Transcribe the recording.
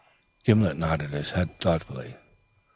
Gimblet nodded his head thoughtfully.